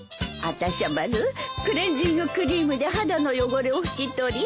まずクレンジングクリームで肌の汚れを拭き取り